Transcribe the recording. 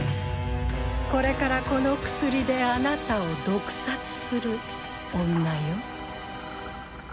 これからこの薬であなたを毒殺する女よ。